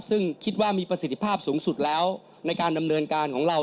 ซึ่งคิดว่ามีประสิทธิภาพสูงสุดแล้วในการดำเนินการของเรา